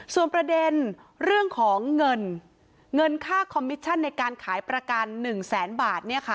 ส่วนประเด็นเรื่องของเงินเงินค่าคอมมิชชั่นในการขายประกัน๑แสนบาท